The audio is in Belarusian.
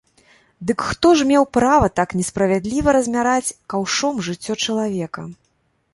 Дык хто ж меў права так несправядліва размяраць каўшом жыццё чалавека?